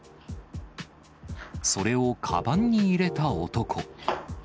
それをかばんに入れた男。